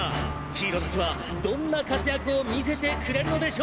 ヒーローたちはどんな活躍を見せてくれるのでしょうか！